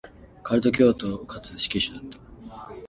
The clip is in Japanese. カルト教祖かつ死刑囚だった。